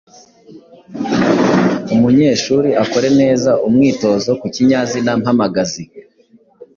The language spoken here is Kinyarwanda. Umunyeshuri akore neza umwitozo ku kinyazina mpamagazi.